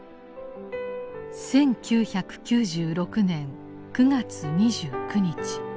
１９９６年９月２９日。